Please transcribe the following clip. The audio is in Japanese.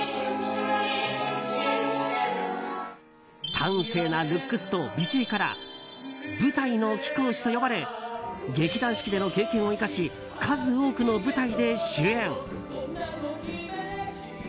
端正なルックスと美声から舞台の貴公子と呼ばれ劇団四季での経験を生かし数多くの舞台で主演。